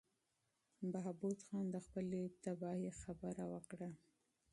بهبود خان د خپلې تباهۍ خبره وکړه.